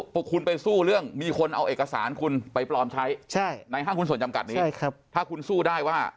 พวกคุณไปสู้เรื่องมีคนเอาเอกสารคุณไปปลอมใช้ในห้างหุ้นส่วนจำกัดนี้ถ้าคุณสู้ได้ว่า